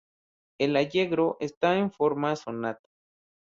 El Allegro está en forma sonata.